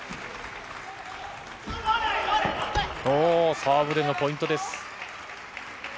サーブでのポイントです。